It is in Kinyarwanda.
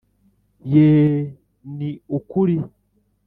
yee ni ukuri